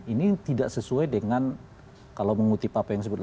ini tidak sesuai dengan kalau mengutip apa yang disebut